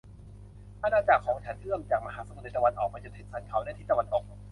อาณาจักรของฉันเอื้อมจากมหาสมุทรในตะวันออกไปจนถึงสันเขาในทิศตะวันตก